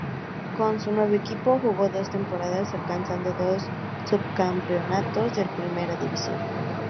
Con su nuevo equipo jugó dos temporadas, alcanzando dos subcampeonatos de Primera División.